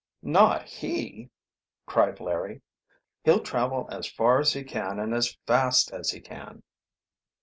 "Not he!" cried Larry. "He'll travel as far can and as fast as he can."